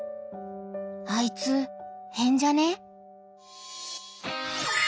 「あいつ変じゃね？」。